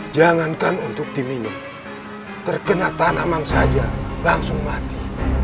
jangankan untuk diminum terkena tanaman saja langsung mati